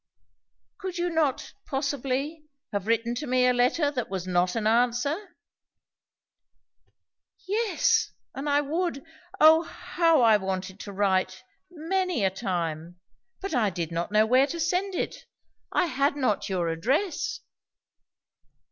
"Could you not, possibly, have written to me a letter that was not an answer?" "Yes, and I would; O how I wanted to write, many a time! but I did not know where to send it. I had not your address."